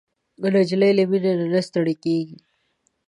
نجلۍ له مینې نه نه ستړېږي.